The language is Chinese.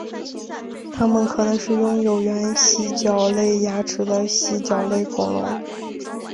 它们可能是种拥有原蜥脚类牙齿的蜥脚类恐龙。